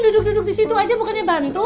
duduk duduk di situ aja bukannya bantu